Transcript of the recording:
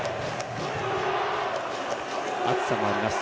暑さもあります。